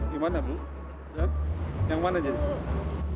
gimana bu yang mana jadi